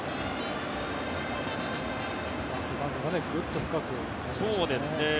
セカンドがグッと深くなりましたね。